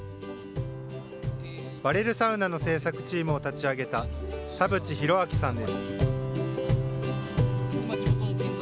バレルサウナの製作チームを立ち上げた、田淵裕章さん。